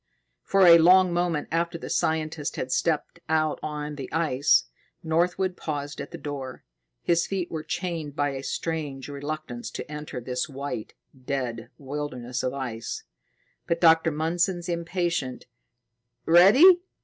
For a long moment after the scientist had stepped out on the ice, Northwood paused at the door. His feet were chained by a strange reluctance to enter this white, dead wilderness of ice. But Dr. Mundson's impatient, "Ready?"